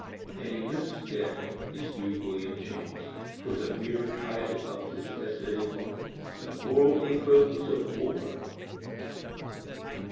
An immense debt is due William James for the mere title of his essay: The Moral Equivalents of War.